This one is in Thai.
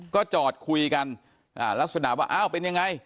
ก็จอดคุยกันลักษณะว่าอ้าวเป็นยังไง